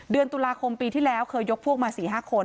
เดือนตุลาคมปีที่แล้วเคยยกพวกมา๔๕คน